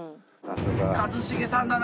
一茂さんだな。